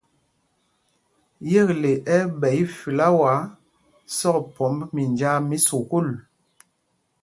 Yekle ɛ́ ɛ́ ɓɛ ifláwa sɔkphɔmb minjāā mí sukûl.